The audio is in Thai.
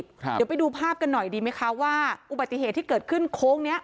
เดี๋ยวไปดูภาพกันหน่อยดีไหมคะว่าอุบัติเหตุที่เกิดขึ้นโค้งเนี้ย